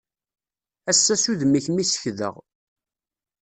Ass-a s udem-ik mi sekdeɣ.